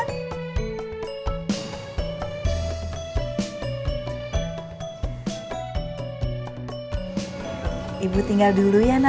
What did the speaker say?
jadi nggak susah kalau kemana mana